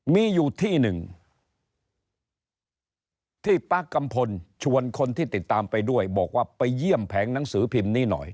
มีอยู่ที่หนึ่งที่ป๊ากัมพลชวนคนที่ติดตามไปด้วยบอกว่าไปเยี่ยมแผงหนังสือพิมพ์นี้หน่อย